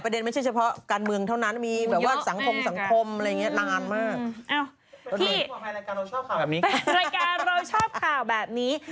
รายการเราชอบข่าวแบบนี้